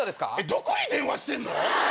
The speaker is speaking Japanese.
どこに電話してんの？